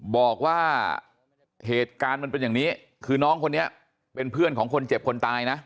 บอกว่าเหตุการณ์มันเป็นอย่างนี้คือน้องคนนี้เป็นเพื่อนของคนเจ็บคนตายนะ